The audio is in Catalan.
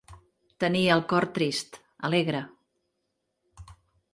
Tenir el cor trist, alegre.